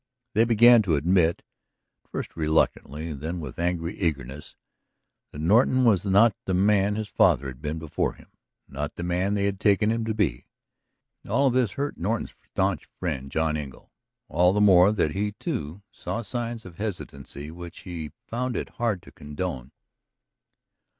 They began to admit, at first reluctantly, then with angry eagerness, that Norton was not the man his father had been before him, not the man they had taken him to be. And all of this hurt Norton's stanch friend, John Engle. All the more that he, too, saw signs of hesitancy which he found it hard to condone.